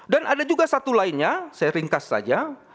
dan ada juga satu lainnya saya ringkas saja